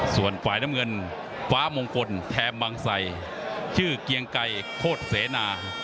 ส่วนฝ่ายน้ำเงินฟ้ามงคลแถมบางไสชื่อเกียงไก่โคตรเสนา